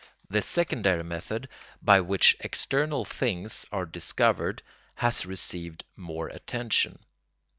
The secondary method, by which external things are discovered, has received more attention.